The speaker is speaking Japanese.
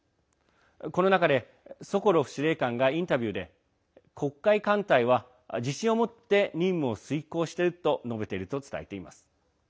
この中でソコロフ司令官がインタビューで黒海艦隊は自信を持って任務を遂行していると述べていると伝えています。